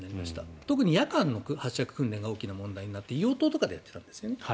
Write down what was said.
特に夜間の発着訓練が問題になって硫黄島とかでやってたんですね。